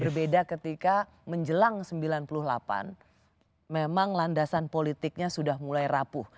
berbeda ketika menjelang sembilan puluh delapan memang landasan politiknya sudah mulai rapuh